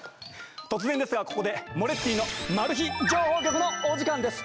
突然ですがここで「モレッティの情報局」のお時間です。